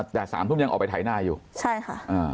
แต่สามทุ่มยังออกไปถ่ายหน้าอยู่ใช่ค่ะอ่า